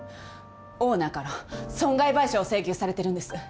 オーナーから損害賠償を請求されてるんです。